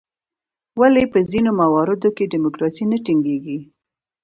ولې په ځینو مواردو کې ډیموکراسي نه ټینګیږي؟